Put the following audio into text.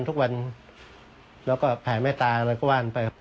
แล้วก็แผ่แม่ตาแล้วก็ว่านไป